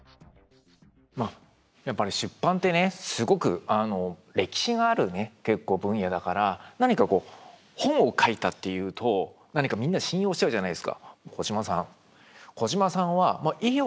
まあやっぱり出版ってねすごく歴史があるね結構分野だから何かこう「本を書いた」っていうと何かみんな信用しちゃうじゃないですか。